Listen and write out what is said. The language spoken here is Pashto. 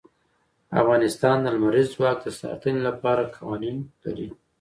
افغانستان د لمریز ځواک د ساتنې لپاره قوانین لري.